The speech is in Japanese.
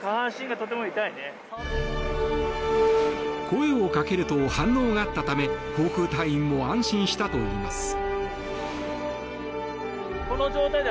声をかけると反応があったため航空隊員も安心したといいます。